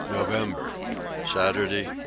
November. Saturday 1.